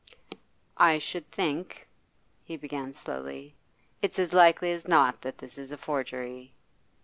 'I should think,' he began slowly, 'it's as likely as not that this is a forgery.